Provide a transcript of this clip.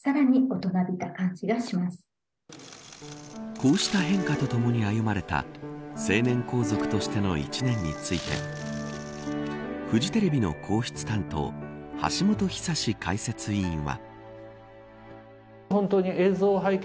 こうした変化とともに歩まれた成年皇族としての１年についてフジテレビの皇室担当橋本寿史解説委員は。